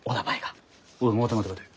おい待て待て待て。